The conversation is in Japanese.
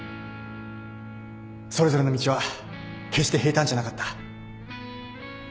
それぞれの道は決して平坦じゃなかった。